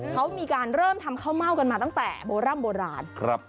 เขามีการเริ่มทำข้าวเม่ากันมาตั้งแต่โบร่ำโบราณครับ